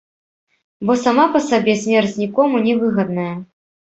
Бо сама па сабе смерць нікому не выгадная.